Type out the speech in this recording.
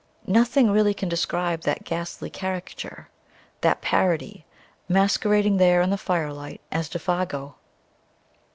Nothing really can describe that ghastly caricature, that parody, masquerading there in the firelight as Défago.